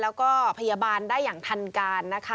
แล้วก็พยาบาลได้อย่างทันการนะคะ